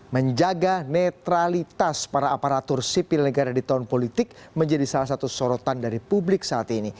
menjaga netralitas para aparatur sipil negara di tahun politik menjadi salah satu sorotan dari publik saat ini